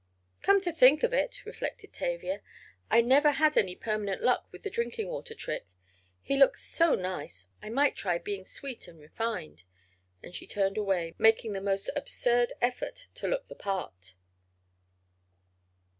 "Come to think of it," reflected Tavia, "I never had any permanent luck with the drinking water trick. He looks so nice—I might try being sweet and refined," and she turned away, making the most absurd effort to look the part.